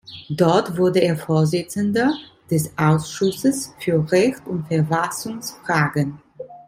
Dort wurde er Vorsitzender des Ausschusses für Recht und Verfassungsfragen.